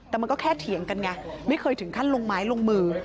แต่มันก็แค่เถียงกันไงไม่เคยถึงขั้นลงไม้ลงมือ